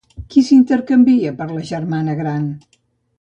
Qui s'intercanvia per la germana gran?